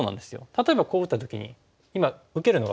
例えばこう打った時に今受けるのが普通ですよね。